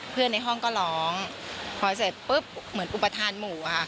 ในห้องก็ร้องพอเสร็จปุ๊บเหมือนอุปทานหมู่อะค่ะ